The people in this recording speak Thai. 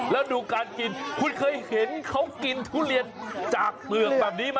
แล้วดูการกินคุณเคยเห็นเขากินทุเรียนจากเปลือกแบบนี้ไหม